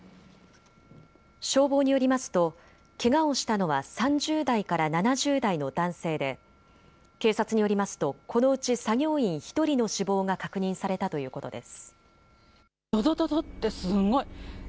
消防によりますと、けがをしたのは３０代から７０代の男性で警察によりますとこのうち作業員１人の死亡が確認されたということです。